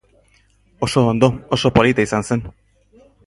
Oso ondo, oso polita izan zen.